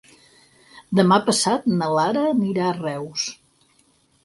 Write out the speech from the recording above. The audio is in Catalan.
Demà passat na Lara anirà a Reus.